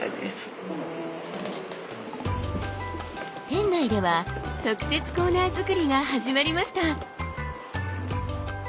店内では特設コーナー作りが始まりました。